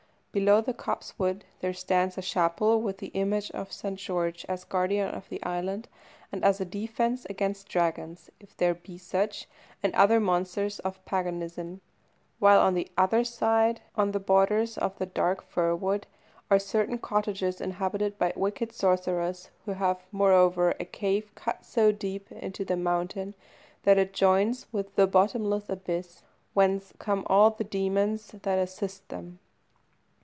Below the copsewood there stands a chapel with the image of St. George, as guardian of the land and as a defence against dragons, if there be such, and other monsters of paganism, while, on the other side, on the borders of the dark firwood, are certain cottages inhabited by wicked sorcerers, who have, moreover, a cave cut so deep into the mountain that it joins with the bottomless abyss, whence come all the demons that assist them.